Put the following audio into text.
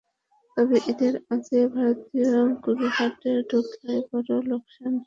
তবে ঈদের আগে ভারতীয় গরু হাটে ঢুকলে এবারও লোকসান গুনতি হবি।